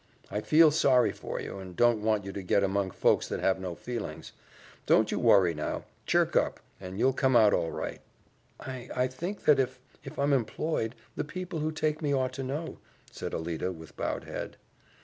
I feel sorry for you, and don't want you to get among folks that have no feelings. Don't you worry now; chirk up, and you'll come out all right." "I I think that if if I'm employed, the people who take me ought to know," said Alida with bowed head.